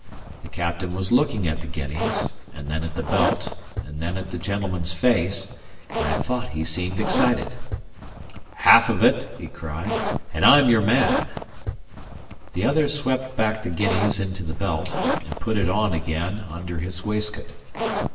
The captain was looking at the guineas, and then at the belt, and then at the gentleman's face; and I thought he seemed excited. "Half of it," he cried, "and I'm your man!" The other swept back the guineas into the belt, and put it on again under his waistcoat.